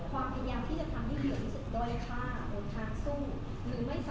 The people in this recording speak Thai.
รายงานจะถูกเก็บด้วยการพูดกับผู้ตัดการ